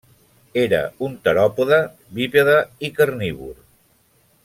Era un teròpode bípede i carnívor.